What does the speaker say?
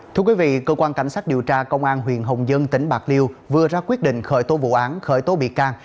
thưa quý vị cơ quan cảnh sát điều tra công an huyện hồng dân tỉnh bạc liêu vừa ra quyết định khởi tố vụ án khởi tố bị can